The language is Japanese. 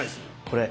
これ。